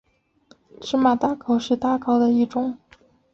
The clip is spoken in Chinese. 芝麻打糕是打糕的一种。